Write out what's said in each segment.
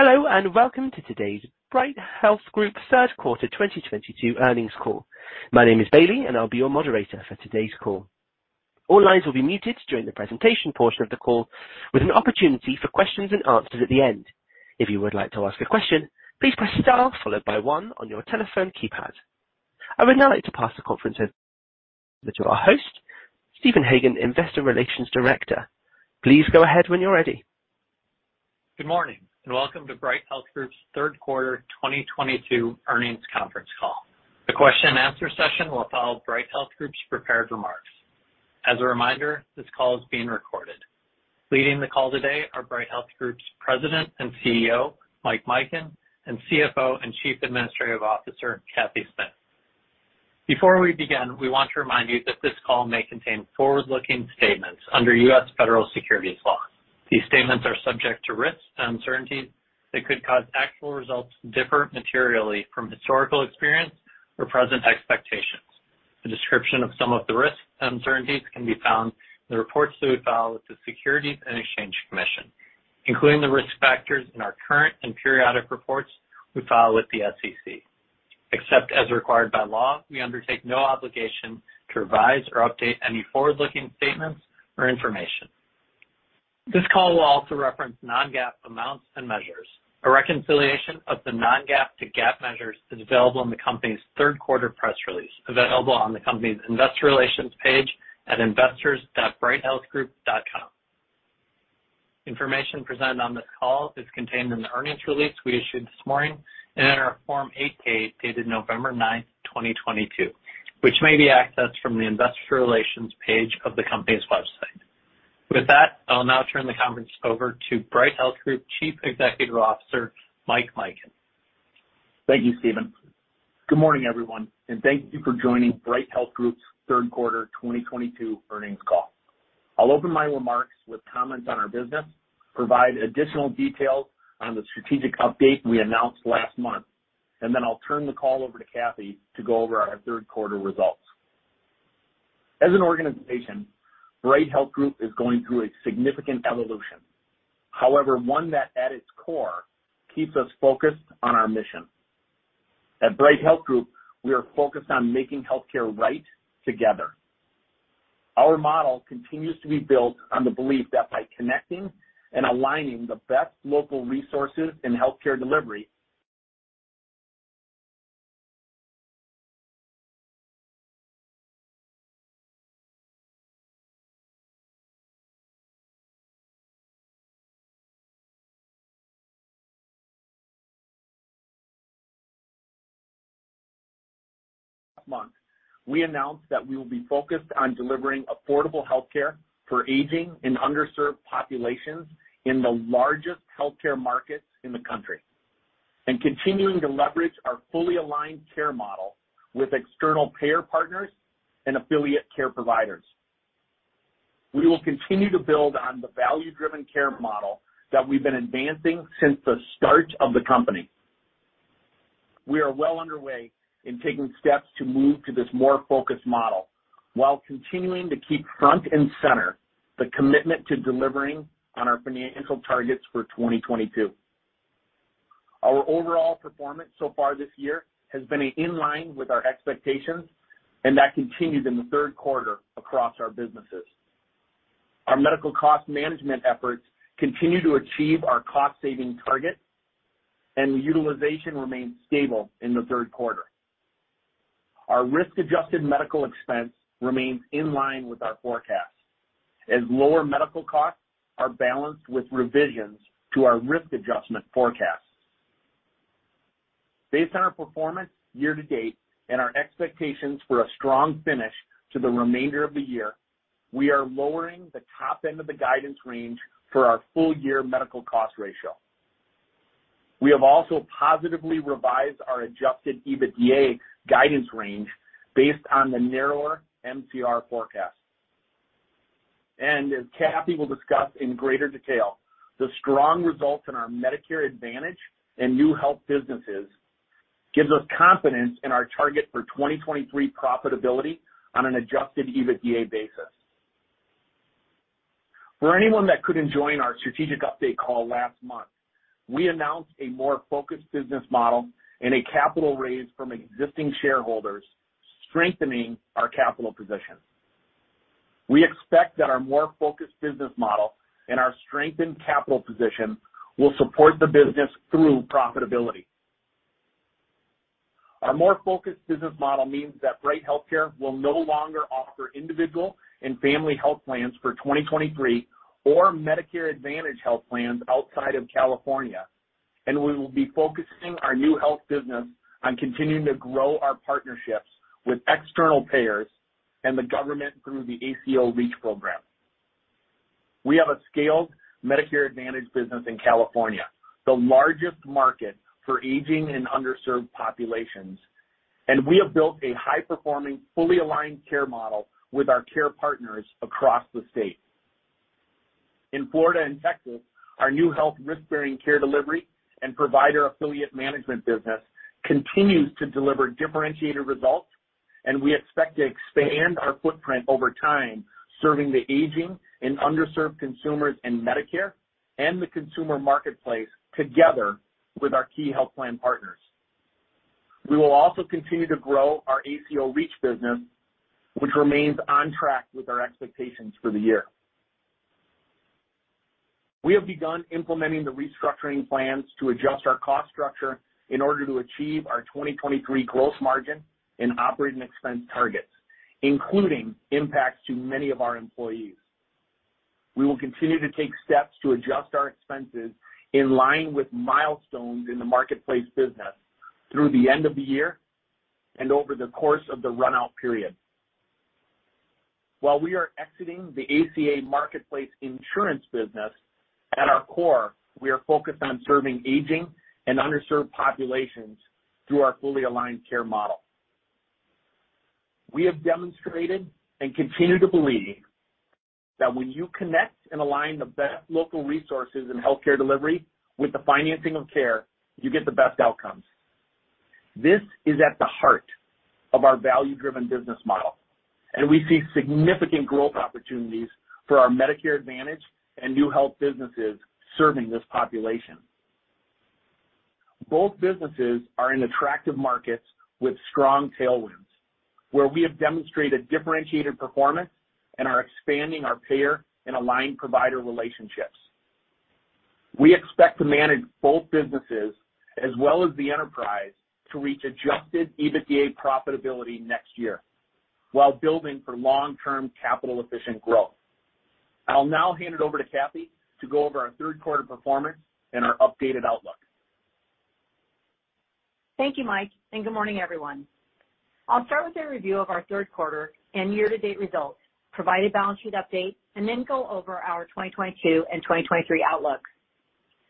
Hello, and welcome to today's Bright Health Group third quarter 2022 earnings call. My name is Bailey, and I'll be your moderator for today's call. All lines will be muted during the presentation portion of the call, with an opportunity for questions and answers at the end. If you would like to ask a question, please press star followed by one on your telephone keypad. I would now like to pass the conference over to our host, Stephen Hagan, Investor Relations Director. Please go ahead when you're ready. Good morning, and welcome to Bright Health Group's third quarter 2022 earnings conference call. The question and answer session will follow Bright Health Group's prepared remarks. As a reminder, this call is being recorded. Leading the call today are Bright Health Group's President and CEO, Mike Mikan, and CFO and Chief Administrative Officer, Cathy Smith. Before we begin, we want to remind you that this call may contain forward-looking statements under US Federal Securities law. These statements are subject to risks and uncertainties that could cause actual results to differ materially from historical experience or present expectations. A description of some of the risks and uncertainties can be found in the reports that we file with the Securities and Exchange Commission, including the risk factors in our current and periodic reports we file with the SEC. Except as required by law, we undertake no obligation to revise or update any forward-looking statements or information. This call will also reference non-GAAP amounts and measures. A reconciliation of the non-GAAP to GAAP measures is available in the company's third quarter press release, available on the company's investor relations page at investors.brighthealthgroup.com. Information presented on this call is contained in the earnings release we issued this morning and in our Form 8-K dated November 9, 2022, which may be accessed from the investor relations page of the company's website. With that, I'll now turn the conference over to Bright Health Group Chief Executive Officer, Mike Mikan. Thank you, Stephen. Good morning, everyone, and thank you for joining Bright Health Group's third quarter 2022 earnings call. I'll open my remarks with comments on our business, provide additional details on the strategic update we announced last month, and then I'll turn the call over to Cathy to go over our third quarter results. As an organization, Bright Health Group is going through a significant evolution. However, one that at its core, keeps us focused on our mission. At Bright Health Group, we are focused on making healthcare right together. Our model continues to be built on the belief that by connecting and aligning the best local resources in healthcare delivery. month, we announced that we will be focused on delivering affordable healthcare for aging and underserved populations in the largest healthcare markets in the country, and continuing to leverage our fully aligned care model with external payer partners and affiliate care providers. We will continue to build on the value-driven care model that we've been advancing since the start of the company. We are well underway in taking steps to move to this more focused model while continuing to keep front and center the commitment to delivering on our financial targets for 2022. Our overall performance so far this year has been in line with our expectations, and that continued in the third quarter across our businesses. Our medical cost management efforts continue to achieve our cost-saving targets, and utilization remained stable in the third quarter. Our risk adjusted medical expense remains in line with our forecast, as lower medical costs are balanced with revisions to our risk adjustment forecasts. Based on our performance year to date and our expectations for a strong finish to the remainder of the year, we are lowering the top end of the guidance range for our full year medical cost ratio. We have also positively revised our Adjusted EBITDA guidance range based on the narrower MCR forecast. As Cathy will discuss in greater detail, the strong results in our Medicare Advantage and NeueHealth businesses gives us confidence in our target for 2023 profitability on an Adjusted EBITDA basis. For anyone that couldn't join our strategic update call last month, we announced a more focused business model and a capital raise from existing shareholders, strengthening our capital position. We expect that our more focused business model and our strengthened capital position will support the business through profitability. Our more focused business model means that Bright HealthCare will no longer offer individual and family health plans for 2023 or Medicare Advantage health plans outside of California. We will be focusing our new health business on continuing to grow our partnerships with external payers and the government through the ACO REACH program. We have a scaled Medicare Advantage business in California, the largest market for aging and underserved populations, and we have built a high-performing, fully aligned care model with our care partners across the state. In Florida and Texas, our new health risk-bearing care delivery and provider affiliate management business continues to deliver differentiated results. We expect to expand our footprint over time, serving the aging and underserved consumers in Medicare and the consumer marketplace together with our key health plan partners. We will also continue to grow our ACO REACH business, which remains on track with our expectations for the year. We have begun implementing the restructuring plans to adjust our cost structure in order to achieve our 2023 growth margin and operating expense targets, including impacts to many of our employees. We will continue to take steps to adjust our expenses in line with milestones in the marketplace business through the end of the year and over the course of the run-out period. While we are exiting the ACA marketplace insurance business, at our core, we are focused on serving aging and underserved populations through our fully aligned care model. We have demonstrated and continue to believe that when you connect and align the best local resources in healthcare delivery with the financing of care, you get the best outcomes. This is at the heart of our value-driven business model, and we see significant growth opportunities for our Medicare Advantage and new health businesses serving this population. Both businesses are in attractive markets with strong tailwinds, where we have demonstrated differentiated performance and are expanding our payer and aligned provider relationships. We expect to manage both businesses as well as the enterprise to reach Adjusted EBITDA profitability next year while building for long-term capital efficient growth. I'll now hand it over to Cathy to go over our third quarter performance and our updated outlook. Thank you, Mike, and good morning, everyone. I'll start with a review of our third quarter and year-to-date results, provide a balance sheet update, and then go over our 2022 and 2023 outlooks.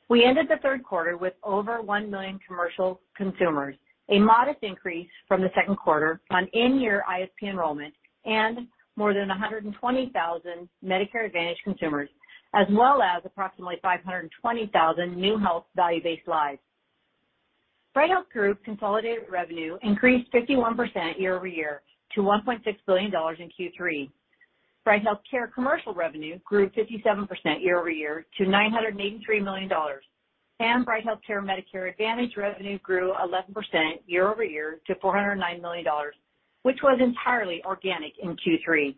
We ended the third quarter with over 1 million commercial consumers, a modest increase from the second quarter on in-year ISP enrollment and more than 120,000 Medicare Advantage consumers, as well as approximately 520,000 new health value-based lives. Bright Health Group consolidated revenue increased 51% year-over-year to $1.6 billion in Q3. Bright HealthCare commercial revenue grew 57% year-over-year to $983 million, and Bright HealthCare Medicare Advantage revenue grew 11% year-over-year to $409 million, which was entirely organic in Q3.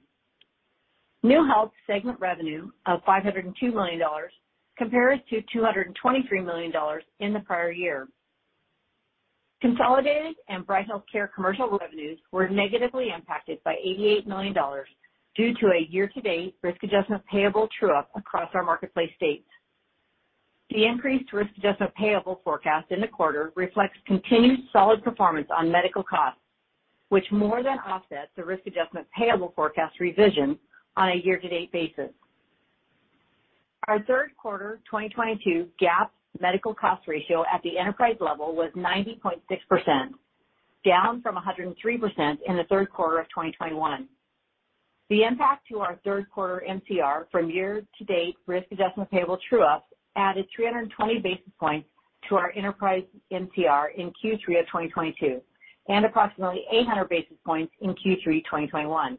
NeueHealth segment revenue of $502 million compares to $223 million in the prior year. Consolidated and Bright HealthCare commercial revenues were negatively impacted by $88 million due to a year-to-date risk adjustment payable true-up across our marketplace states. The increased risk adjustment payable forecast in the quarter reflects continued solid performance on medical costs, which more than offsets the risk adjustment payable forecast revision on a year-to-date basis. Our third quarter 2022 GAAP medical cost ratio at the enterprise level was 90.6%, down from 103% in the third quarter of 2021. The impact to our third quarter MCR from year-to-date risk adjustment payable true-up added 320 basis points to our enterprise MCR in Q3 of 2022, and approximately 800 basis points in Q3 2021.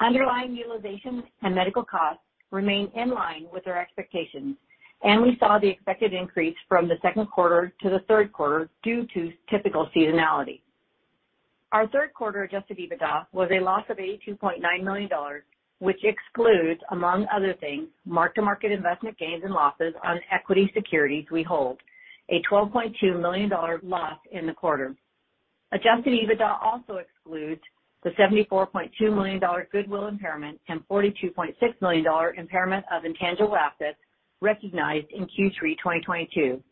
Underlying utilization and medical costs remain in line with our expectations, and we saw the expected increase from the second quarter to the third quarter due to typical seasonality. Our third quarter Adjusted EBITDA was a loss of $82.9 million, which excludes, among other things, mark-to-market investment gains and losses on equity securities we hold, a $12.2 million loss in the quarter. Adjusted EBITDA also excludes the $74.2 million goodwill impairment and $42.6 million impairment of intangible assets recognized in Q3 2022,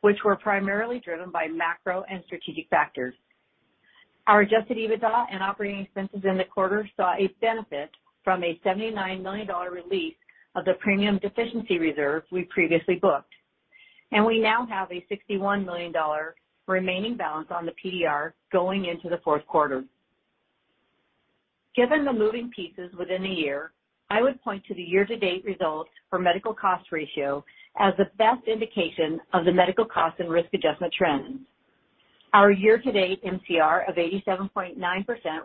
which were primarily driven by macro and strategic factors. Our Adjusted EBITDA and operating expenses in the quarter saw a benefit from a $79 million release of the premium deficiency reserve we previously booked, and we now have a $61 million remaining balance on the PDR going into the fourth quarter. Given the moving pieces within the year, I would point to the year-to-date results for medical cost ratio as the best indication of the medical cost and risk adjustment trends. Our year-to-date MCR of 87.9%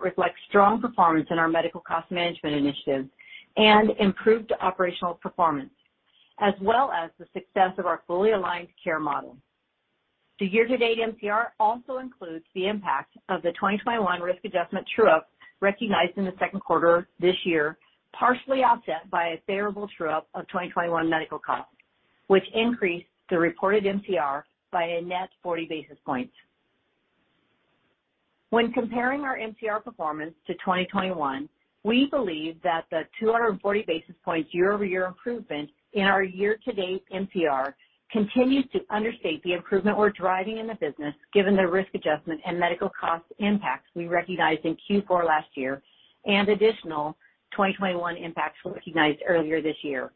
reflects strong performance in our medical cost management initiatives and improved operational performance, as well as the success of our fully aligned care model. The year-to-date MCR also includes the impact of the 2021 risk adjustment true-up recognized in the second quarter this year, partially offset by a favorable true-up of 2021 medical costs, which increased the reported MCR by a net 40 basis points. When comparing our MCR performance to 2021, we believe that the 240 basis points year-over-year improvement in our year-to-date MCR continues to understate the improvement we're driving in the business given the risk adjustment and medical cost impacts we recognized in Q4 last year and additional 2021 impacts recognized earlier this year.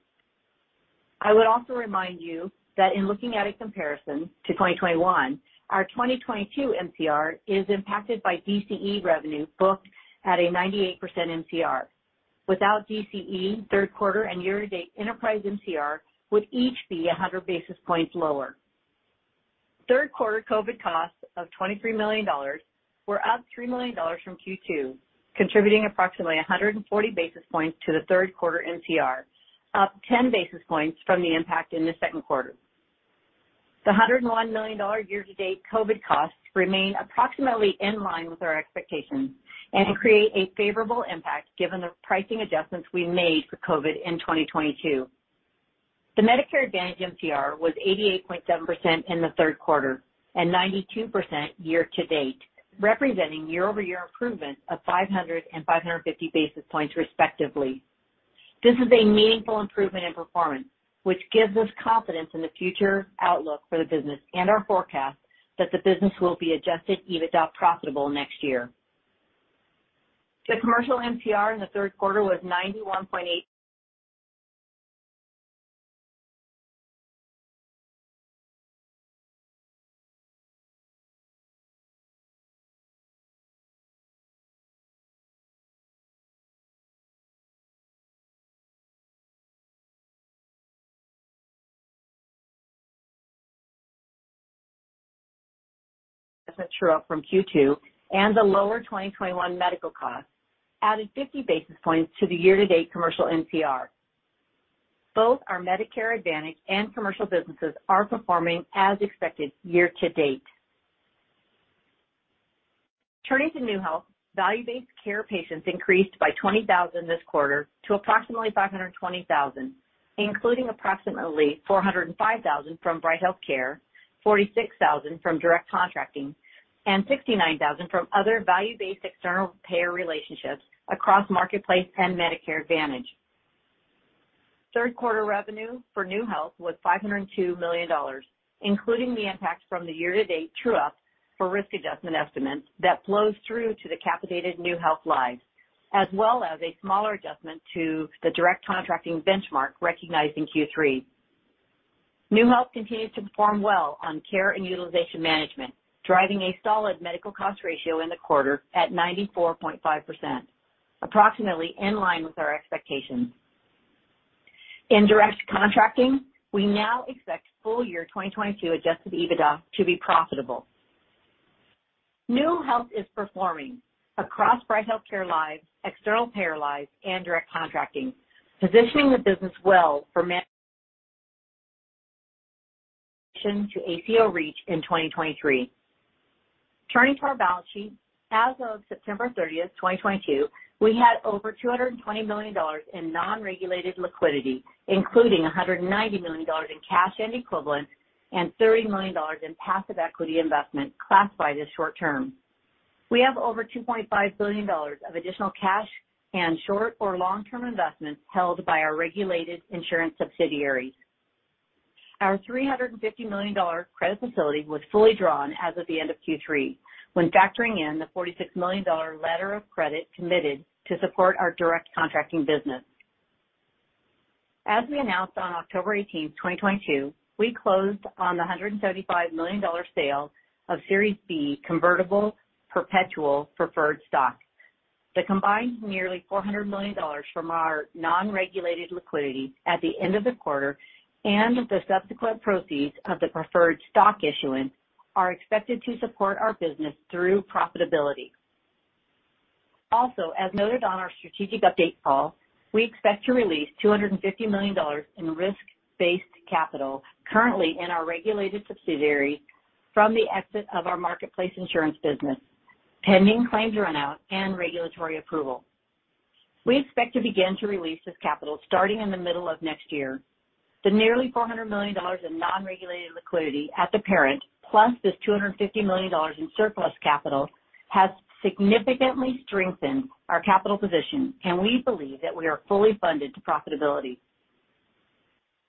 I would also remind you that in looking at a comparison to 2021, our 2022 MCR is impacted by DCE revenue booked at a 98% MCR. Without DCE, third quarter and year-to-date enterprise MCR would each be 100 basis points lower. Third quarter COVID costs of $23 million were up $3 million from Q2, contributing approximately 140 basis points to the third quarter MCR, up 10 basis points from the impact in the second quarter. $101 million year-to-date COVID costs remain approximately in line with our expectations and create a favorable impact given the pricing adjustments we made for COVID in 2022. The Medicare Advantage MCR was 88.7% in the third quarter and 92% year-to-date, representing year-over-year improvement of 500 and 550 basis points, respectively. This is a meaningful improvement in performance, which gives us confidence in the future outlook for the business and our forecast that the business will be Adjusted EBITDA profitable next year. The commercial MCR in the third quarter was 91.8% from Q2, and the lower 2021 medical costs added 50 basis points to the year-to-date commercial MCR. Both our Medicare Advantage and commercial businesses are performing as expected year-to-date. Turning to NeueHealth, value-based care patients increased by 20,000 this quarter to approximately 520,000, including approximately 405,000 from Bright HealthCare, 46,000 from direct contracting and 69,000 from other value-based external payer relationships across Marketplace and Medicare Advantage. Third quarter revenue for NeueHealth was $502 million, including the impact from the year-to-date true-up for risk adjustment estimates that flows through to the capitated NeueHealth lives, as well as a smaller adjustment to the direct contracting benchmark recognized in Q3. NeueHealth continues to perform well on care and utilization management, driving a solid medical cost ratio in the quarter at 94.5%, approximately in line with our expectations. In direct contracting, we now expect full year 2022 Adjusted EBITDA to be profitable. NeueHealth is performing across Bright HealthCare lives, external payer lives, and direct contracting, positioning the business well for maneuver to ACO REACH in 2023. Turning to our balance sheet. As of September 30, 2022, we had over $220 million in non-regulated liquidity, including $190 million in cash and equivalents and $30 million in passive equity investment classified as short term. We have over $2.5 billion of additional cash and short or long-term investments held by our regulated insurance subsidiaries. Our $350 million credit facility was fully drawn as of the end of Q3 when factoring in the $46 million letter of credit committed to support our direct contracting business. As we announced on October 18, 2022, we closed on the $135 million sale of Series B convertible perpetual preferred stock. The combined nearly $400 million from our non-regulated liquidity at the end of the quarter and the subsequent proceeds of the preferred stock issuance are expected to support our business through profitability. Also, as noted on our strategic update call, we expect to release $250 million in risk-based capital currently in our regulated subsidiary from the exit of our Marketplace insurance business, pending claims run-out and regulatory approval. We expect to begin to release this capital starting in the middle of next year. The nearly $400 million in non-regulated liquidity at the parent, plus this $250 million in surplus capital, has significantly strengthened our capital position, and we believe that we are fully funded to profitability.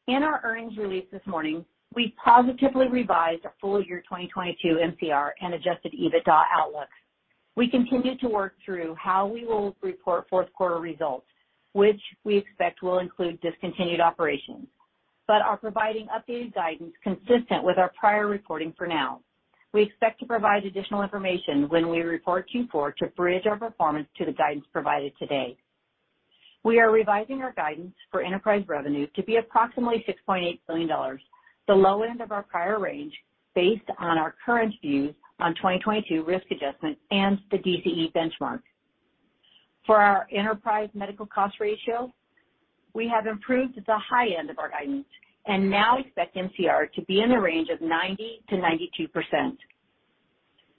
In our earnings release this morning, we positively revised our full year 2022 MCR and Adjusted EBITDA outlooks. We continue to work through how we will report fourth quarter results, which we expect will include discontinued operations, but are providing updated guidance consistent with our prior reporting for now. We expect to provide additional information when we report Q4 to bridge our performance to the guidance provided today. We are revising our guidance for enterprise revenue to be approximately $6.8 billion, the low end of our prior range, based on our current views on 2022 risk adjustment and the DCE benchmark. For our enterprise medical cost ratio, we have improved to the high end of our guidance and now expect MCR to be in the range of 90%-92%.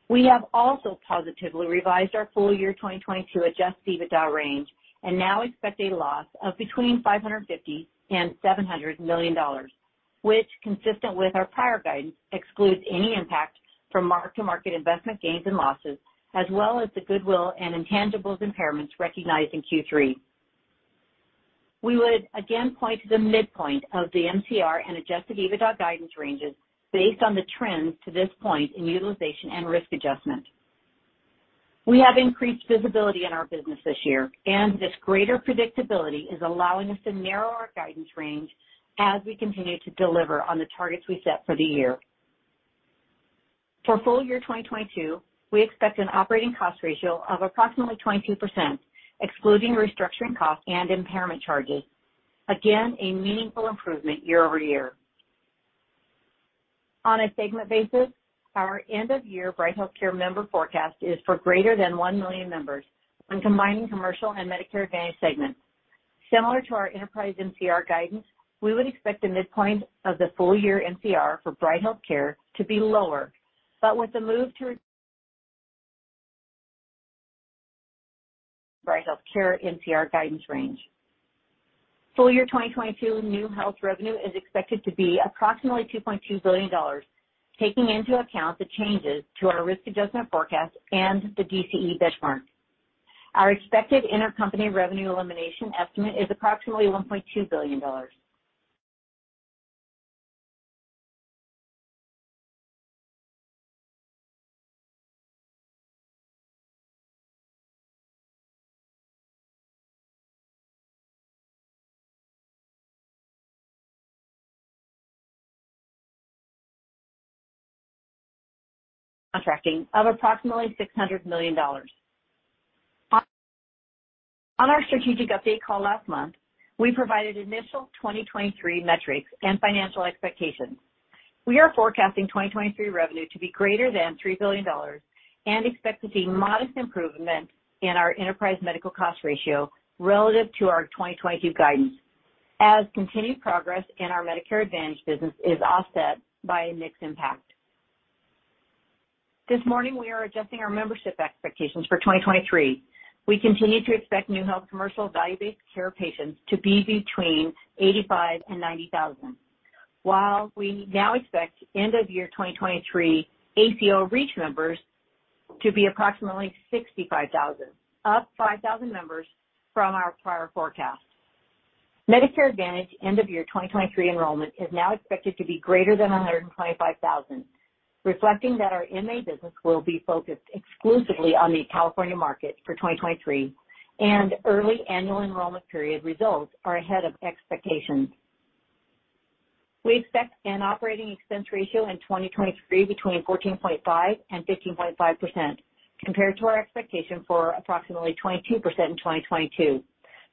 We have also positively revised our full year 2022 Adjusted EBITDA range and now expect a loss of between $550 million and $700 million, which consistent with our prior guidance, excludes any impact from mark-to-market investment gains and losses, as well as the goodwill and intangibles impairments recognized in Q3. We would again point to the midpoint of the MCR and Adjusted EBITDA guidance ranges based on the trends to this point in utilization and risk adjustment. We have increased visibility in our business this year, and this greater predictability is allowing us to narrow our guidance range as we continue to deliver on the targets we set for the year. For full year 2022, we expect an operating cost ratio of approximately 22%, excluding restructuring costs and impairment charges. Again, a meaningful improvement year-over-year. On a segment basis, our end of year Bright HealthCare member forecast is for greater than 1 million members when combining commercial and Medicare Advantage segments. Similar to our enterprise MCR guidance, we would expect the midpoint of the full year MCR for Bright HealthCare to be lower, but with the move to Bright HealthCare MCR guidance range. Full year 2022 NeueHealth revenue is expected to be approximately $2.2 billion, taking into account the changes to our risk adjustment forecast and the DCE benchmark. Our expected intercompany revenue elimination estimate is approximately $1.2 billion. Contracting of approximately $600 million. On our strategic update call last month, we provided initial 2023 metrics and financial expectations. We are forecasting 2023 revenue to be greater than $3 billion and expect to see modest improvement in our enterprise medical cost ratio relative to our 2022 guidance, as continued progress in our Medicare Advantage business is offset by a mix impact. This morning, we are adjusting our membership expectations for 2023. We continue to expect NeueHealth commercial value-based care patients to be between 85,000 and 90,000, while we now expect end of year 2023 ACO REACH members to be approximately 65,000, up 5,000 members from our prior forecast. Medicare Advantage end of year 2023 enrollment is now expected to be greater than 125,000, reflecting that our MA business will be focused exclusively on the California market for 2023, and early annual enrollment period results are ahead of expectations. We expect an operating expense ratio in 2023 between 14.5% and 15.5% compared to our expectation for approximately 22% in 2022,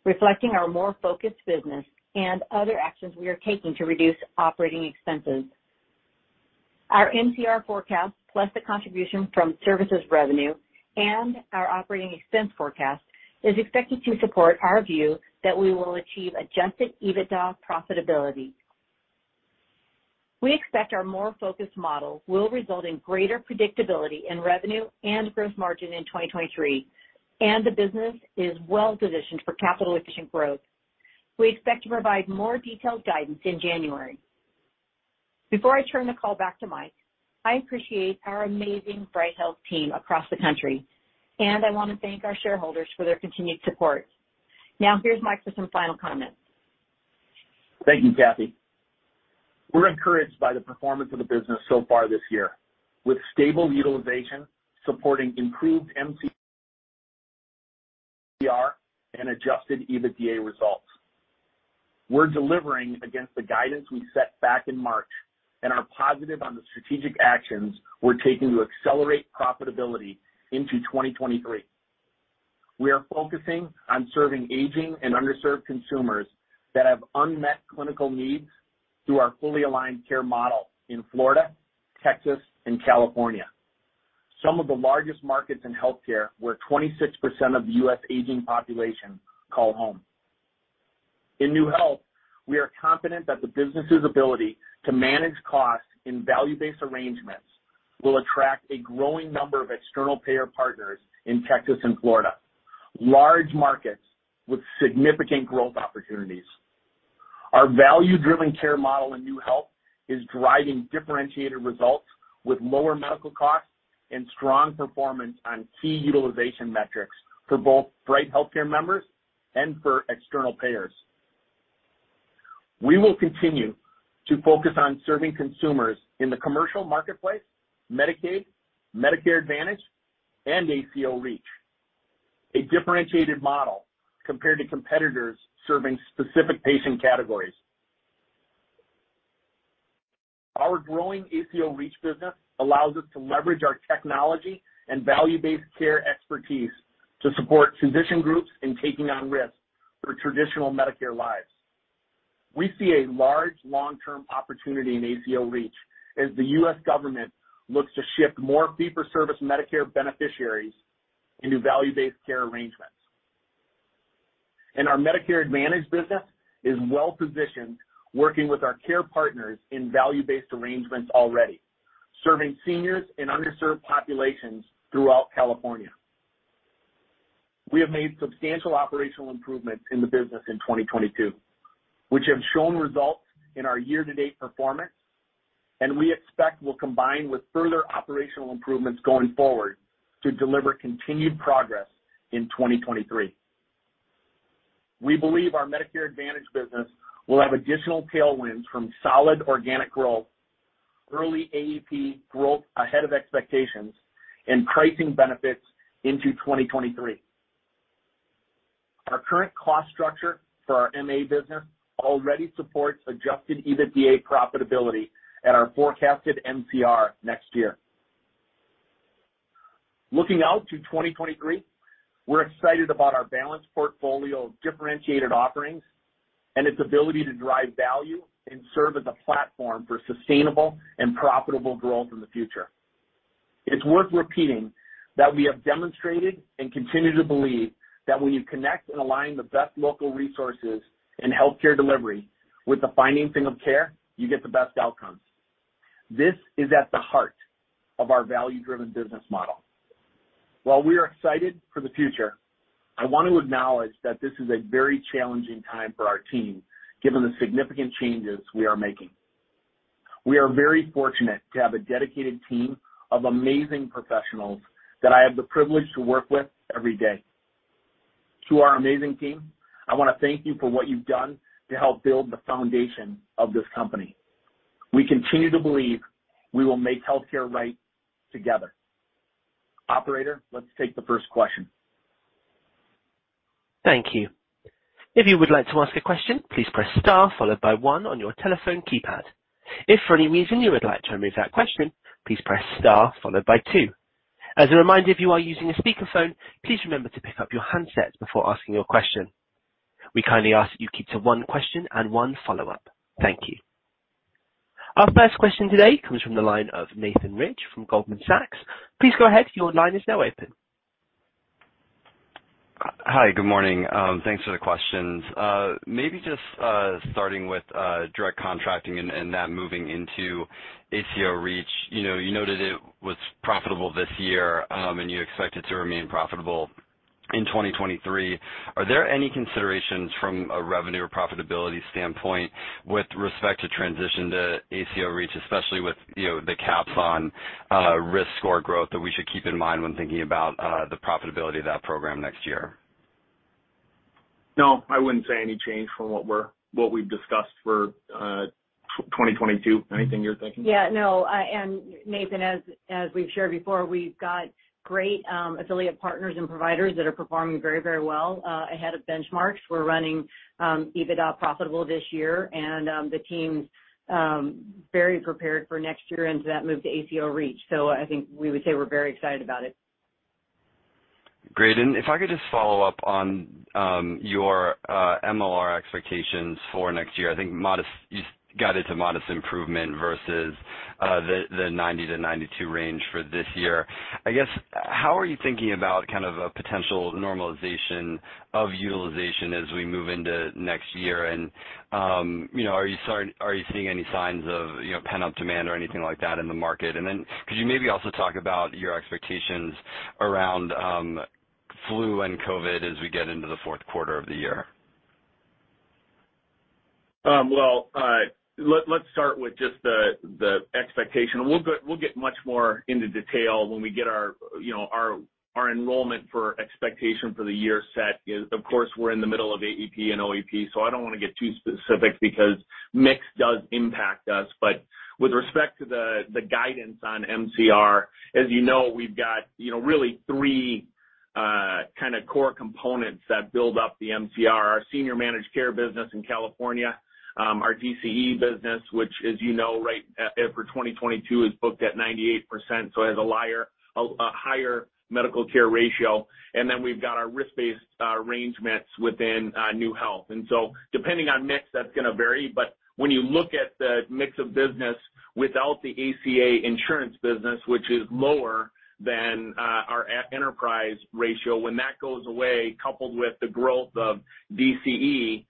reflecting our more focused business and other actions we are taking to reduce operating expenses. Our MCR forecast, plus the contribution from services revenue and our operating expense forecast, is expected to support our view that we will achieve Adjusted EBITDA profitability. We expect our more focused model will result in greater predictability in revenue and gross margin in 2023, and the business is well-positioned for capital-efficient growth. We expect to provide more detailed guidance in January. Before I turn the call back to Mike, I appreciate our amazing Bright Health team across the country, and I want to thank our shareholders for their continued support. Now, here's Mike for some final comments. Thank you, Cathy. We're encouraged by the performance of the business so far this year, with stable utilization supporting improved MCR and Adjusted EBITDA results. We're delivering against the guidance we set back in March and are positive on the strategic actions we're taking to accelerate profitability into 2023. We are focusing on serving aging and underserved consumers that have unmet clinical needs through our fully aligned care model in Florida, Texas, and California, some of the largest markets in healthcare, where 26% of the US. aging population call home. In NeueHealth, we are confident that the business's ability to manage costs in value-based arrangements will attract a growing number of external payer partners in Texas and Florida, large markets with significant growth opportunities. Our value-driven care model in NeueHealth is driving differentiated results with lower medical costs and strong performance on key utilization metrics for both Bright HealthCare members and for external payers. We will continue to focus on serving consumers in the commercial marketplace, Medicaid, Medicare Advantage, and ACO REACH, a differentiated model compared to competitors serving specific patient categories. Our growing ACO REACH business allows us to leverage our technology and value-based care expertise to support condition groups in taking on risk for traditional Medicare lives. We see a large long-term opportunity in ACO REACH as the US government looks to shift more fee-for-service Medicare beneficiaries into value-based care arrangements. Our Medicare Advantage business is well-positioned, working with our care partners in value-based arrangements already, serving seniors and underserved populations throughout California. We have made substantial operational improvements in the business in 2022, which have shown results in our year-to-date performance, and we expect will combine with further operational improvements going forward to deliver continued progress in 2023. We believe our Medicare Advantage business will have additional tailwinds from solid organic growth, early AEP growth ahead of expectations, and pricing benefits into 2023. Our current cost structure for our MA business already supports Adjusted EBITDA profitability at our forecasted MCR next year. Looking out to 2023, we're excited about our balanced portfolio of differentiated offerings and its ability to drive value and serve as a platform for sustainable and profitable growth in the future. It's worth repeating that we have demonstrated and continue to believe that when you connect and align the best local resources in healthcare delivery with the financing of care, you get the best outcomes. This is at the heart of our value-driven business model. While we are excited for the future, I want to acknowledge that this is a very challenging time for our team, given the significant changes we are making. We are very fortunate to have a dedicated team of amazing professionals that I have the privilege to work with every day. To our amazing team, I want to thank you for what you've done to help build the foundation of this company. We continue to believe we will make healthcare right together. Operator, let's take the first question. Thank you. If you would like to ask a question, please press star followed by one on your telephone keypad. If for any reason you would like to remove that question, please press star followed by two. As a reminder, if you are using a speakerphone, please remember to pick up your handset before asking your question. We kindly ask that you keep to one question and one follow-up. Thank you. Our first question today comes from the line of Nathan Rich from Goldman Sachs. Please go ahead. Your line is now open. Hi. Good morning. Thanks for the questions. Maybe just starting with direct contracting and that moving into ACO REACH. You know, you noted it was profitable this year, and you expect it to remain profitable in 2023. Are there any considerations from a revenue or profitability standpoint with respect to transition to ACO REACH, especially with, you know, the caps on risk score growth that we should keep in mind when thinking about the profitability of that program next year? No, I wouldn't say any change from what we've discussed for 2022. Anything you're thinking? Yeah, no. Nathan, as we've shared before, we've got great affiliate partners and providers that are performing very, very well ahead of benchmarks. We're running EBITDA profitable this year and the team's very prepared for next year into that move to ACO REACH. I think we would say we're very excited about it. Great. If I could just follow up on your MLR expectations for next year. I think you guided to modest improvement versus the 90-92 range for this year. I guess, how are you thinking about kind of a potential normalization of utilization as we move into next year? You know, are you seeing any signs of, you know, pent-up demand or anything like that in the market? Could you maybe also talk about your expectations around flu and COVID as we get into the fourth quarter of the year? Let's start with just the expectation. We'll get much more into detail when we get you know, our enrollment for expectation for the year set. Of course, we're in the middle of AEP and OEP, so I don't wanna get too specific because mix does impact us. With respect to the guidance on MCR, as you know, we've got really three kind of core components that build up the MCR. Our senior managed care business in California, our DCE business, which as you know right for 2022 is booked at 98%, so it has a higher medical care ratio. Then we've got our risk-based arrangements within NeueHealth. Depending on mix, that's gonna vary, but when you look at the mix of business without the ACA insurance business, which is lower than our enterprise ratio. When that goes away, coupled with the growth of DCE,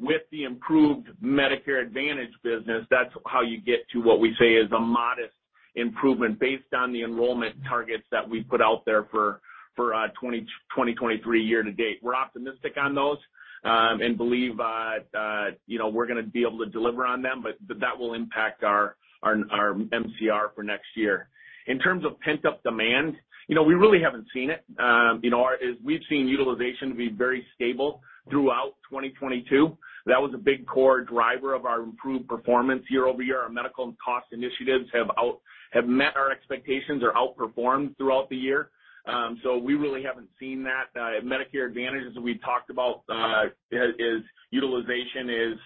with the improved Medicare Advantage business, that's how you get to what we say is a modest improvement based on the enrollment targets that we put out there for 2023 year to date. We're optimistic on those, and believe you know, we're gonna be able to deliver on them, but that will impact our MCR for next year. In terms of pent-up demand, you know, we really haven't seen it. You know, as we've seen utilization to be very stable throughout 2022, that was a big core driver of our improved performance year-over-year. Our medical and cost initiatives have met our expectations or outperformed throughout the year. We really haven't seen that. Medicare Advantage, as we talked about, is utilization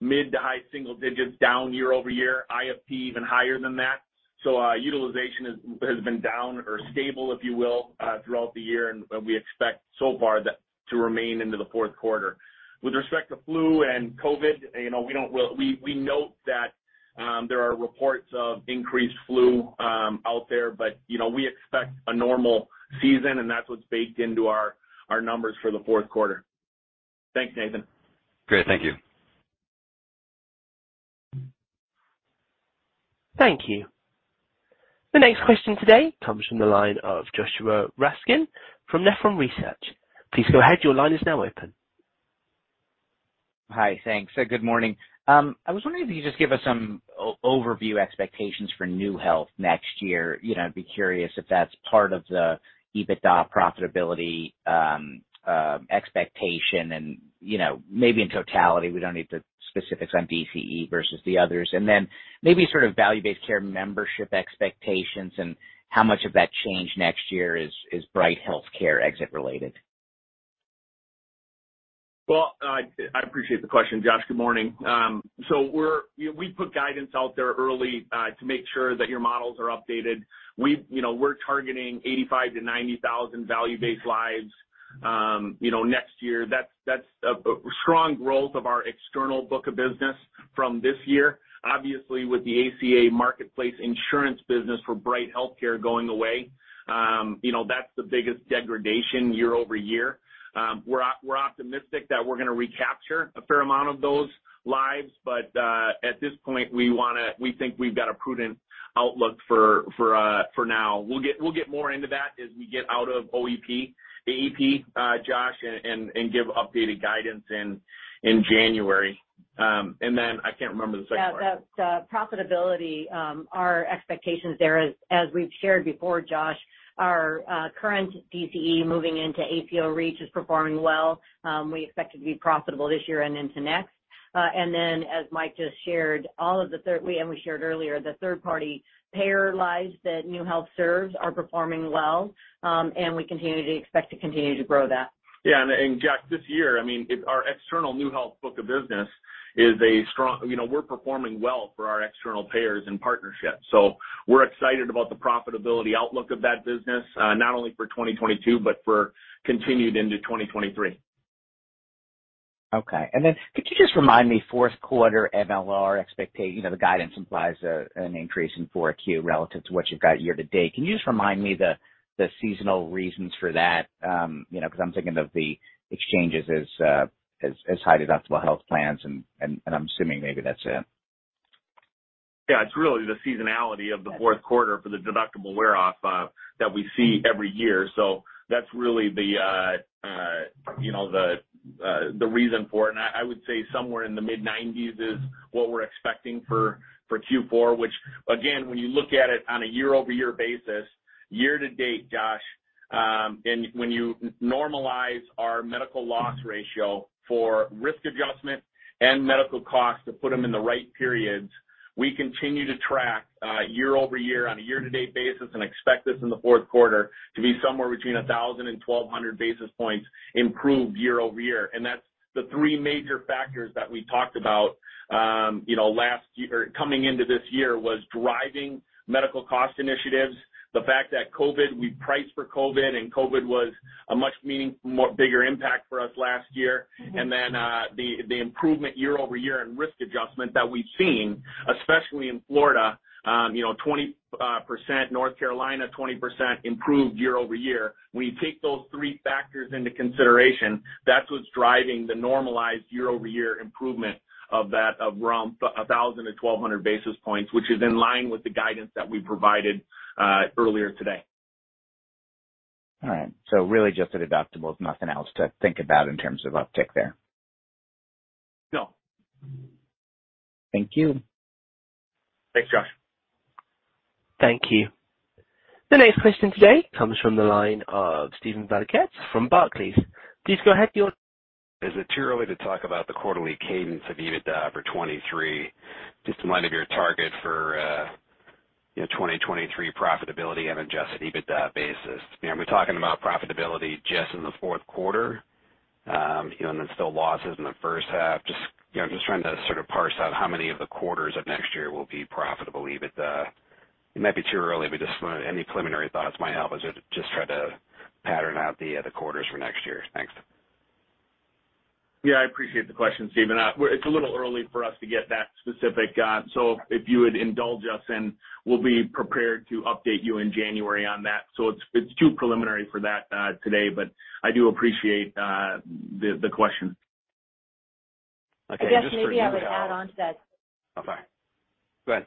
mid to high single digits down year-over-year, IFP even higher than that. Utilization has been down or stable, if you will, throughout the year, and we expect so far that to remain into the fourth quarter. With respect to flu and COVID, you know, we don't really note that there are reports of increased flu out there, but, you know, we expect a normal season, and that's what's baked into our numbers for the fourth quarter. Thanks, Nathan. Great. Thank you. Thank you. The next question today comes from the line of Joshua Raskin from Nephron Research. Please go ahead. Your line is now open. Hi. Thanks. Good morning. I was wondering if you could just give us some overview expectations for NeueHealth next year. You know, I'd be curious if that's part of the EBITDA profitability expectation and, you know, maybe in totality, we don't need the specifics on DCE versus the others. Then maybe sort of value-based care membership expectations and how much of that change next year is Bright HealthCare exit related? Well, I appreciate the question, Josh. Good morning. We put guidance out there early to make sure that your models are updated. You know, we're targeting 85-90 thousand value-based lives, you know, next year. That's a strong growth of our external book of business from this year. Obviously, with the ACA marketplace insurance business for Bright Healthcare going away, you know, that's the biggest degradation year-over-year. We're optimistic that we're gonna recapture a fair amount of those lives, but at this point, we think we've got a prudent outlook for now. We'll get more into that as we get out of AEP, Josh, and give updated guidance in January. I can't remember the second part. Yeah. The profitability, our expectations there is as we've shared before, Josh, our current DCE moving into ACO REACH is performing well. We expect it to be profitable this year and into next. As Mike just shared, all of the third-party payer lives that NeueHealth serves are performing well, and we continue to expect to grow that. Josh, this year, I mean, our external NeueHealth book of business is strong. You know, we're performing well for our external payers and partnerships. We're excited about the profitability outlook of that business, not only for 2022 but continued into 2023. Okay. Could you just remind me fourth quarter MLR. You know, the guidance implies an increase in four Q relative to what you've got year to date. Can you just remind me the seasonal reasons for that? You know, 'cause I'm thinking of the exchanges as high deductible health plans and I'm assuming maybe that's it. Yeah. It's really the seasonality of the fourth quarter for the deductible wear-off that we see every year. That's really you know, the reason for it. I would say somewhere in the mid-nineties is what we're expecting for Q4, which again, when you look at it on a year-over-year basis, year to date, Josh, and when you normalize our medical loss ratio for risk adjustment and medical costs to put them in the right periods, we continue to track year-over-year on a year to date basis, and expect this in the fourth quarter to be somewhere between 1,000 and 1,200 basis points improved year-over-year. That's the three major factors that we talked about you know, last year or coming into this year was driving medical cost initiatives. The fact that COVID, we priced for COVID, and COVID was a much meaningful, more bigger impact for us last year. The improvement year-over-year in risk adjustment that we've seen, especially in Florida, 20%, North Carolina, 20% improved year-over-year. When you take those three factors into consideration, that's what's driving the normalized year-over-year improvement of that, of around 1,000 to 1,200 basis points, which is in line with the guidance that we provided earlier today. All right. Really just the deductibles, nothing else to think about in terms of uptick there. No. Thank you. Thanks, Josh. Thank you. The next question today comes from the line of Steven Valiquette from Barclays. Please go ahead. Is it too early to talk about the quarterly cadence of EBITDA for 2023, just in light of your target for, you know, 2023 profitability on an Adjusted EBITDA basis? You know, are we talking about profitability just in the fourth quarter, you know, and then still losses in the first half? Just, you know, just trying to sort of parse out how many of the quarters of next year will be profitable EBITDA. It might be too early, but just any preliminary thoughts might help as I just try to pattern out the quarters for next year. Thanks. Yeah, I appreciate the question, Stephen. It's a little early for us to get that specific. If you would indulge us, and we'll be prepared to update you in January on that. It's too preliminary for that today, but I do appreciate the question. Okay. Just for you. Josh, maybe I would add on to that. Oh, sorry. Go ahead.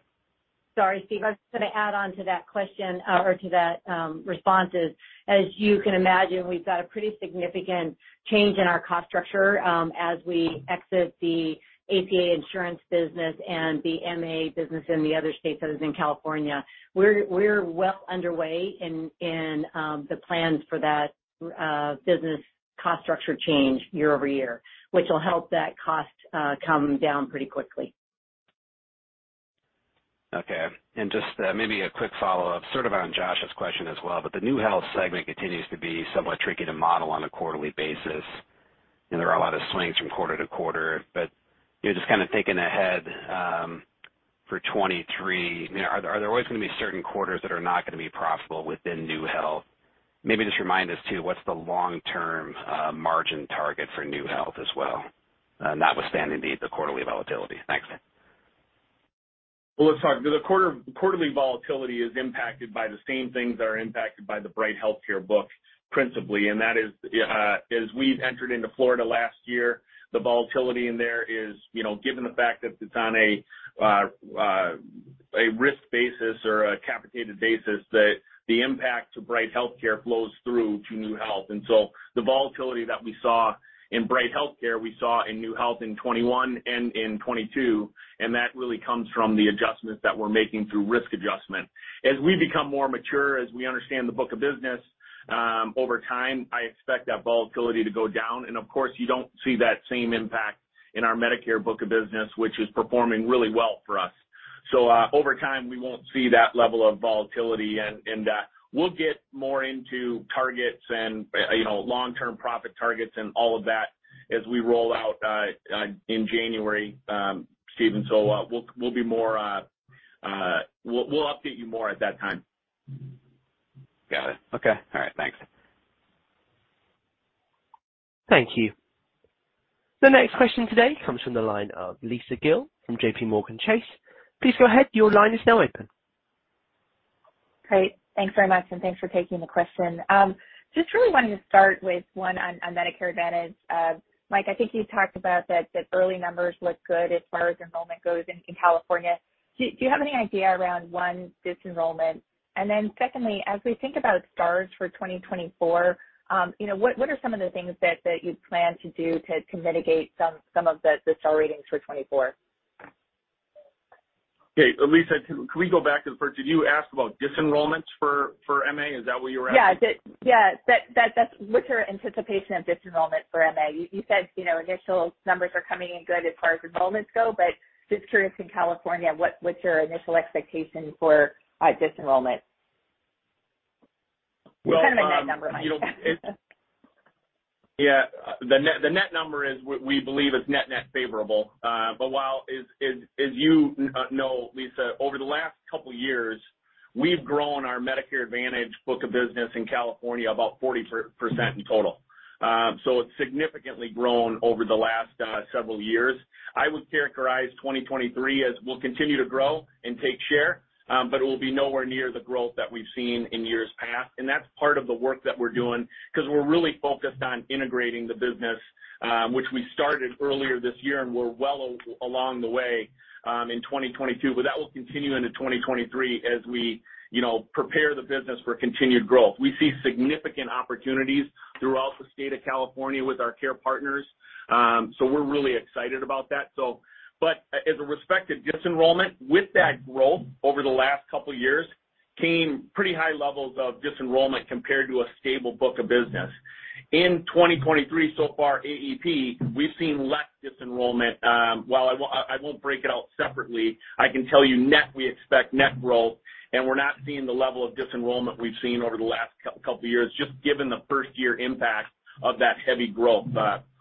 Sorry, Stephen. I was gonna add on to that question or to that, responses. As you can imagine, we've got a pretty significant change in our cost structure, as we exit the ACA insurance business and the MA business in the other states, that is in California. We're well underway in the plans for that business cost structure change year-over-year, which will help that cost come down pretty quickly. Okay. Just maybe a quick follow-up sort of on Josh's question as well, but the NeueHealth segment continues to be somewhat tricky to model on a quarterly basis. You know, there are a lot of swings from quarter to quarter, but you know, just kind of thinking ahead, for 2023, you know, are there always gonna be certain quarters that are not gonna be profitable within NeueHealth? Maybe just remind us too, what's the long-term margin target for NeueHealth as well, notwithstanding the quarterly volatility. Thanks. Well, let's talk. The quarterly volatility is impacted by the same things that are impacted by the Bright HealthCare book, principally, and that is, as we entered into Florida last year, the volatility in there is, you know, given the fact that it's on a risk basis or a capitated basis, that the impact to Bright HealthCare flows through to NeueHealth. The volatility that we saw in Bright HealthCare, we saw in NeueHealth in 2021 and in 2022, and that really comes from the adjustments that we're making through risk adjustment. As we become more mature, as we understand the book of business, over time, I expect that volatility to go down. Of course, you don't see that same impact in our Medicare book of business, which is performing really well for us. Over time, we won't see that level of volatility, and we'll get more into targets and you know, long-term profit targets and all of that as we roll out in January, Steven. We'll update you more at that time. Got it. Okay. All right. Thanks. Thank you. The next question today comes from the line of Lisa Gill from JPMorgan Chase. Please go ahead. Your line is now open. Great. Thanks very much, and thanks for taking the question. Just really wanted to start with one on Medicare Advantage. Mike, I think you talked about that early numbers look good as far as enrollment goes in California. Do you have any idea around one, disenrollment? And then secondly, as we think about stars for 2024, you know, what are some of the things that you plan to do to mitigate some of the star ratings for 2024? Okay. Lisa, can we go back to the first? Did you ask about disenrollments for MA? Is that what you were asking? Yeah. That's what's your anticipation of disenrollment for MA? You said, you know, initial numbers are coming in good as far as enrollments go, but just curious in California, what's your initial expectation for disenrollment? Well. Kind of a net number, Mike. You know, it's yeah. The net number is we believe is net net favorable. But as you know, Lisa, over the last couple years, we've grown our Medicare Advantage book of business in California about 40% in total. So it's significantly grown over the last several years. I would characterize 2023 as we'll continue to grow and take share, but it will be nowhere near the growth that we've seen in years past. That's part of the work that we're doing, 'cause we're really focused on integrating the business, which we started earlier this year, and we're well along the way in 2022. That will continue into 2023 as we, you know, prepare the business for continued growth. We see significant opportunities throughout the state of California with our care partners, so we're really excited about that. With respect to disenrollment, with that growth over the last couple years came pretty high levels of disenrollment compared to a stable book of business. In 2023 so far, AEP, we've seen less disenrollment. While I won't break it out separately, I can tell you net, we expect net growth. We're not seeing the level of disenrollment we've seen over the last couple years, just given the first year impact of that heavy growth.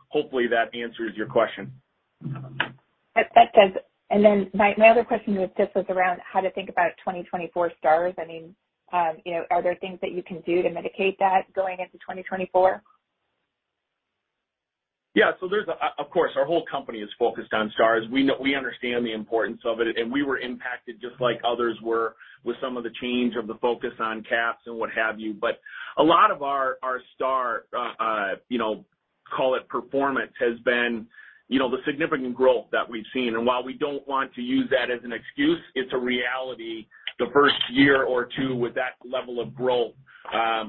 Hopefully that answers your question. That does. Then my other question was just around how to think about 2024 stars. I mean, you know, are there things that you can do to mitigate that going into 2024? Yeah. Of course, our whole company is focused on stars. We understand the importance of it, and we were impacted just like others were with some of the change of the focus on caps and what have you. But a lot of our star, you know, call it performance, has been, you know, the significant growth that we've seen. While we don't want to use that as an excuse, it's a reality. The first year or two with that level of growth,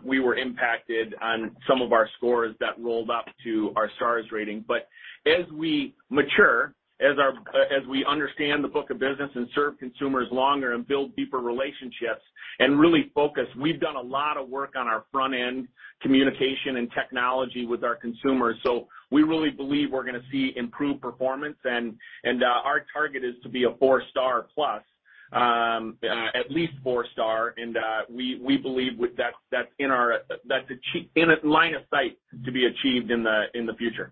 we were impacted on some of our scores that rolled up to our stars rating. But as we mature, as we understand the book of business and serve consumers longer and build deeper relationships and really focus, we've done a lot of work on our front-end communication and technology with our consumers. We really believe we're gonna see improved performance, and our target is to be a four-star plus, at least four star. We believe with that's in our line of sight to be achieved in the future.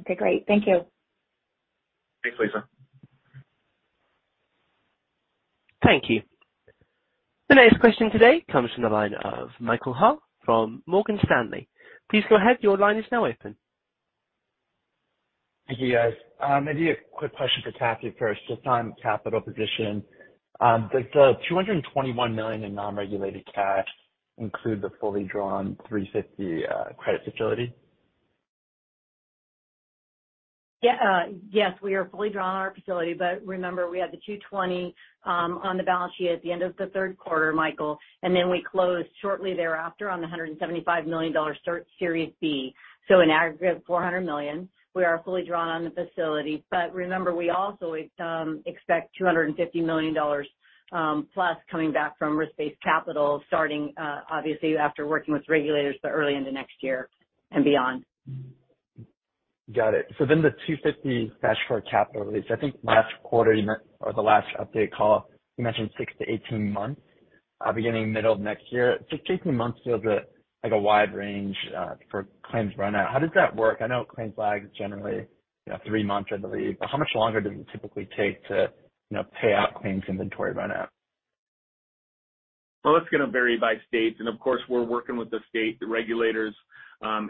Okay, great. Thank you. Thanks, Lisa. Thank you. The next question today comes from the line of Michael Ha from Morgan Stanley. Please go ahead. Your line is now open. Thank you, guys. Maybe a quick question for Cathy first, just on capital position. Does the $221 million in non-regulated cash include the fully drawn $350 credit facility? Yeah. Yes, we are fully drawn on our facility, but remember, we had the $220 million on the balance sheet at the end of the third quarter, Michael, and then we closed shortly thereafter on the $175 million Series B. In aggregate, $400 million, we are fully drawn on the facility. Remember, we also expect $250 million plus coming back from risk-based capital starting obviously after working with regulators, but early into next year and beyond. Got it. The 254 capital release, I think last quarter or the last update call, you mentioned 6-18 months, beginning middle of next year. 6-18 months feels like a wide range for claims runout. How does that work? I know claims lag generally, you know three months, I believe. But how much longer does it typically take to, you know, pay out claims inventory runout? Well, it's gonna vary by states, and of course, we're working with the state, the regulators,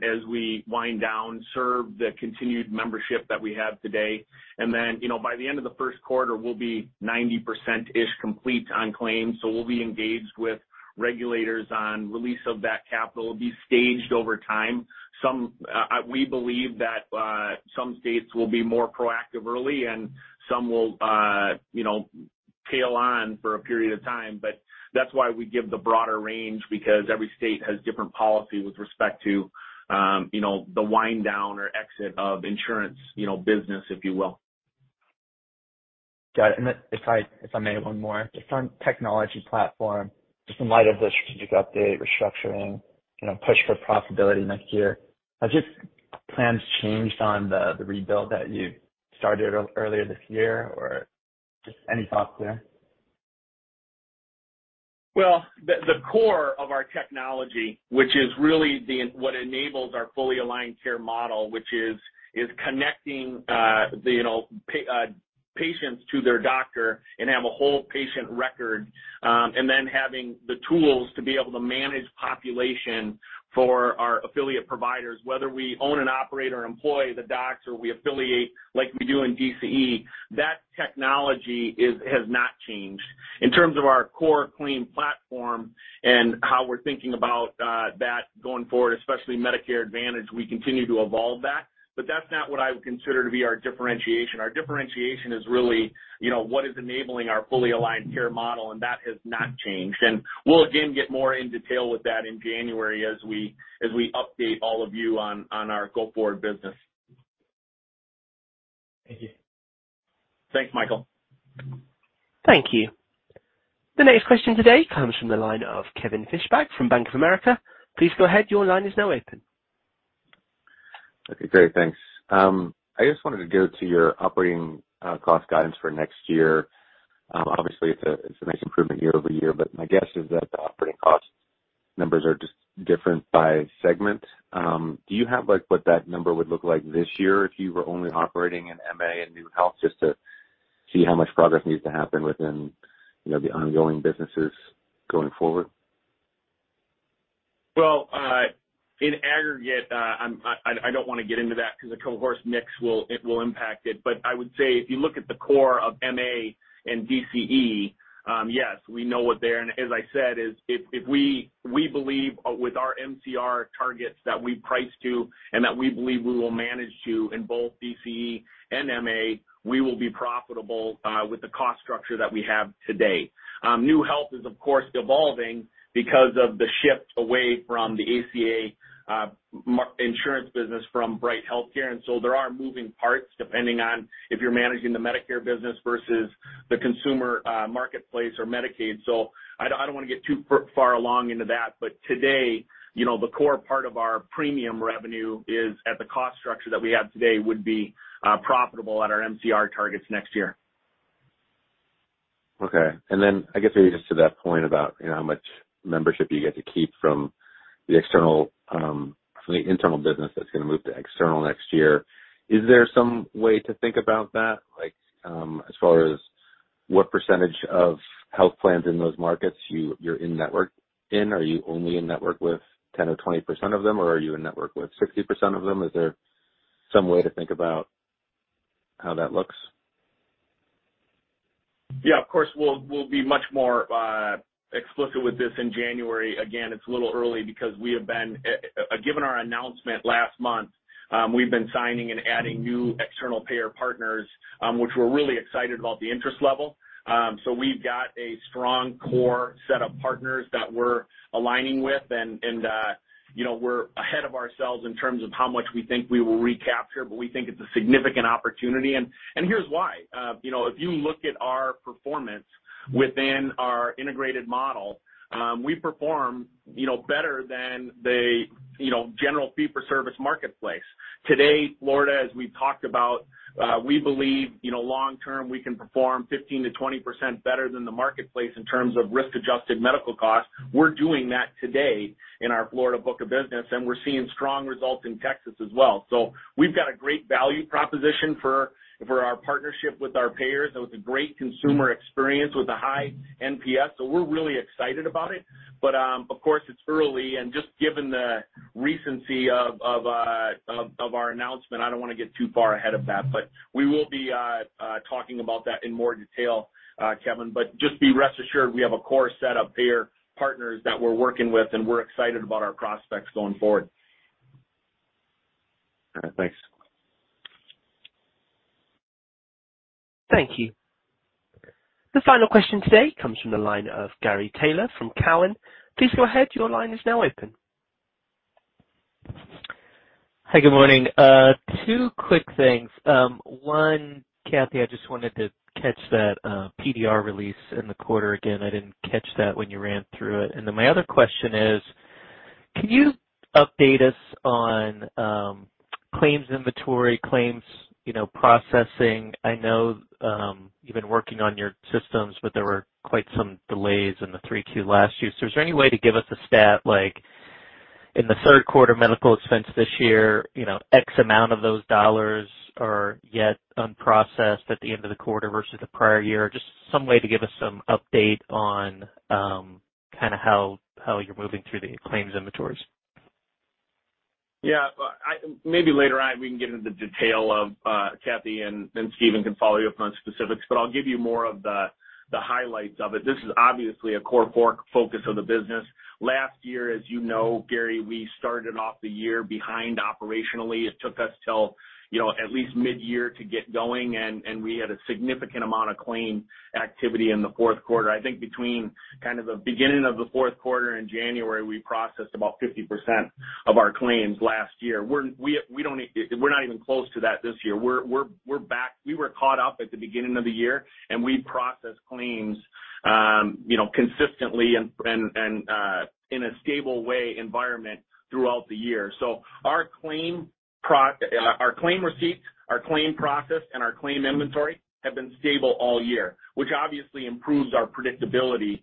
as we wind down, serve the continued membership that we have today. Then, you know, by the end of the first quarter, we'll be 90%-ish complete on claims. We'll be engaged with regulators on release of that capital. It'll be staged over time. Some, we believe that, some states will be more proactive early and some will, you know, tail on for a period of time, but that's why we give the broader range because every state has different policy with respect to, you know, the wind down or exit of insurance, you know, business, if you will. Got it. If I may, one more. Just on technology platform, just in light of the strategic update, restructuring, you know, push for profitability next year, have you? Plans changed on the rebuild that you started earlier this year, or just any thoughts there? Well, the core of our technology, which is really what enables our fully aligned care model, which is connecting, you know, patients to their doctor and have a whole patient record, and then having the tools to be able to manage population for our affiliate providers. Whether we own and operate or employ the docs or we affiliate like we do in DCE, that technology has not changed. In terms of our core claim platform and how we're thinking about that going forward, especially Medicare Advantage, we continue to evolve that, but that's not what I would consider to be our differentiation. Our differentiation is really, you know, what is enabling our fully aligned care model, and that has not changed. We'll again get more in detail with that in January as we update all of you on our go-forward business. Thank you. Thanks, Michael. Thank you. The next question today comes from the line of Kevin Fischbeck from Bank of America. Please go ahead. Your line is now open. Okay, great. Thanks. I just wanted to go to your operating cost guidance for next year. Obviously it's a nice improvement year over year, but my guess is that the operating cost numbers are just different by segment. Do you have, like, what that number would look like this year if you were only operating in MA and NeueHealth, just to see how much progress needs to happen within, you know, the ongoing businesses going forward? In aggregate, I don't wanna get into that because the cohort mix will impact it. I would say if you look at the core of MA and DCE, yes, we know. As I said, if we believe with our MCR targets that we price to and that we believe we will manage to in both DCE and MA, we will be profitable, with the cost structure that we have today. NeueHealth is of course evolving because of the shift away from the ACA, marketplace insurance business from Bright HealthCare, and there are moving parts depending on if you're managing the Medicare business versus the consumer marketplace or Medicaid. I don't wanna get too far along into that. Today, you know, the core part of our premium revenue is at the cost structure that we have today would be profitable at our MCR targets next year. Okay. Then I guess maybe just to that point about, you know, how much membership you get to keep from the external, from the internal business that's gonna move to external next year. Is there some way to think about that, like, as far as what percentage of health plans in those markets you're in-network in? Are you only in-network with 10 or 20% of them or are you in-network with 60% of them? Is there some way to think about how that looks? Yeah, of course, we'll be much more explicit with this in January. Again, it's a little early because we have been given our announcement last month, we've been signing and adding new external payer partners, which we're really excited about the interest level. So we've got a strong core set of partners that we're aligning with and you know, we're ahead of ourselves in terms of how much we think we will recapture, but we think it's a significant opportunity. Here's why. You know, if you look at our performance within our integrated model, we perform you know, better than the you know, general fee-for-service marketplace. Today, Florida, as we've talked about, we believe you know, long term, we can perform 15%-20% better than the marketplace in terms of risk-adjusted medical costs. We're doing that today in our Florida book of business, and we're seeing strong results in Texas as well. We've got a great value proposition for our partnership with our payers. It was a great consumer experience with a high NPS, so we're really excited about it. Of course, it's early and just given the recency of our announcement, I don't wanna get too far ahead of that. We will be talking about that in more detail, Kevin, but just rest assured we have a core set of payer partners that we're working with, and we're excited about our prospects going forward. All right. Thanks. Thank you. The final question today comes from the line of Gary Taylor from Cowen. Please go ahead. Your line is now open. Hi. Good morning. Two quick things. One, Cathy, I just wanted to catch that PDR release in the quarter again. I didn't catch that when you ran through it. Then my other question is, can you update us on claims inventory, claims processing? You know, I know you've been working on your systems, but there were quite some delays in the 3Q last year. Is there any way to give us a stat, like in the third quarter medical expense this year, you know, X amount of those dollars are yet unprocessed at the end of the quarter versus the prior year? Just some way to give us some update on kinda how you're moving through the claims inventories. Yeah. Maybe later on we can get into the detail of Cathy, and Steven can follow you up on specifics, but I'll give you more of the highlights of it. This is obviously a core focus of the business. Last year, as you know, Gary, we started off the year behind operationally. It took us till, you know, at least midyear to get going, and we had a significant amount of claim activity in the fourth quarter. I think between kind of the beginning of the fourth quarter and January, we processed about 50% of our claims last year. We're not even close to that this year. We're back. We were caught up at the beginning of the year, and we processed claims consistently and in a stable environment throughout the year. Our claim receipts, our claim process, and our claim inventory have been stable all year, which obviously improves our predictability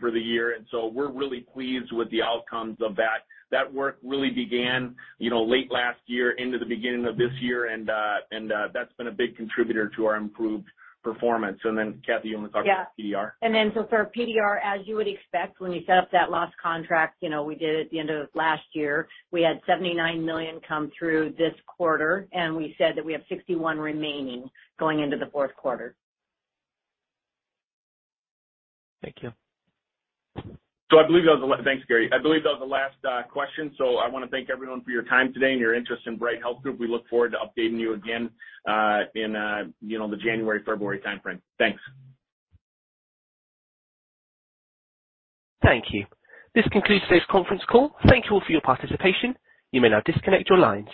for the year. We're really pleased with the outcomes of that. That work really began late last year into the beginning of this year and that's been a big contributor to our improved performance. Kathy, you wanna talk about PDR? Yeah. For PDR, as you would expect when we set up that loss contract, you know, we did it at the end of last year. We had $79 million come through this quarter, and we said that we have $61 million remaining going into the fourth quarter. Thank you. Thanks, Gary. I believe that was the last question. I wanna thank everyone for your time today and your interest in Bright Health Group. We look forward to updating you again, you know, in the January, February timeframe. Thanks. Thank you. This concludes today's conference call. Thank you all for your participation. You may now disconnect your lines.